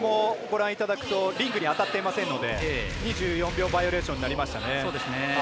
ご覧いただくとリングに当たっていませんので２４秒バイオレーションになりましたね。